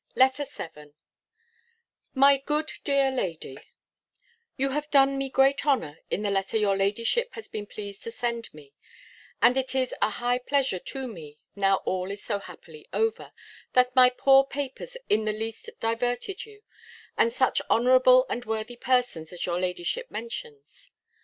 LETTER VII My good dear Lady, You have done me great honour in the letter your ladyship has been pleased to send me; and it is a high pleasure to me, now all is so happily over, that my poor papers in the least diverted you, and such honourable and worthy persons as your ladyship mentions.